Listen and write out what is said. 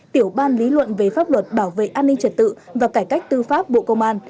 tiểu ban lý luận về pháp luật bảo vệ an ninh trật tự và cải cách tư pháp bộ công an